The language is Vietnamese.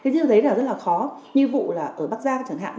điều đấy rất khó như vụ ở bắc giang chẳng hạn